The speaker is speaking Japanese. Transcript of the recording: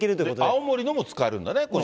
青森のも使えるんだね。